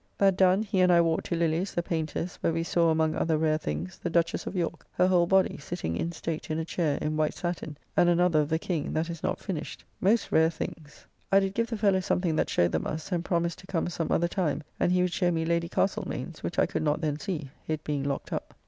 That done he and I walked to Lilly's, the painter's, where we saw among other rare things, the Duchess of York, her whole body, sitting instate in a chair, in white sattin, and another of the King, that is not finished; most rare things. I did give the fellow something that showed them us, and promised to come some other time, and he would show me Lady Castlemaine's, which I could not then see, it being locked up!